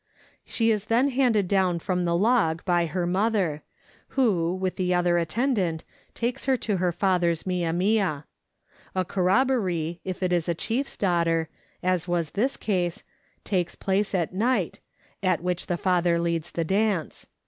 " She is then handed down from the log by her mother, who, with the other attendant, takes her to her father's inia mia. A corrobboree, if it is a chief's daughter, as was this case, takes place at night, at which the father leads the dance.